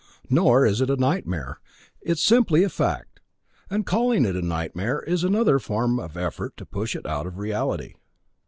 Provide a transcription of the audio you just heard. (Nor is it a nightmare; it is simply a fact, and calling it a nightmare is another form of effort to push it out of reality.)